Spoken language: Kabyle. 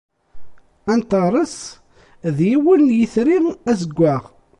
Antares d yiwen n yitri azewwaɣ.